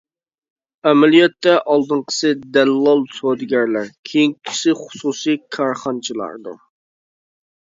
ئەمەلىيەتتە ئالدىنقىسى دەللال سودىگەرلەر، كېيىنكىسى خۇسۇسىي كارخانىچىلاردۇر.